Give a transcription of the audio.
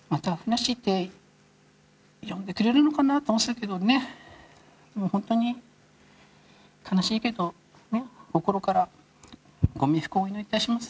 しーって呼んでくれるのかなって思っていたけどね、もう本当に悲しいけど、心からご冥福をお祈りいたします。